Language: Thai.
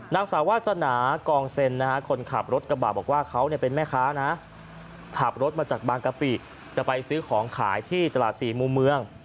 นางสาววาสนากองเซ็นคนขับรถกระบะบอกว่าเขาเป็นแม่ค้านะขับรถมาจากบางกะปิจะไปซื้อของขายที่ตลาดสี่มุมเมือง